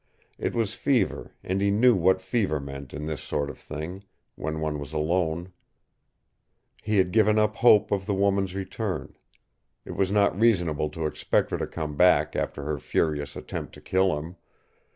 It was fever and he knew what fever meant in this sort of thing, when one was alone. He had given up hope of the woman's return. It was not reasonable to expect her to come back after her furious attempt to kill him.